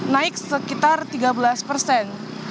naik sekitar tiga belas persen